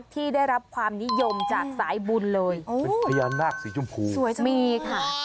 ที่ได้รับความนิยมจากสายบุญเลยอ๋อพยานาคสีจมพูสวยจังหวัดมีค่ะ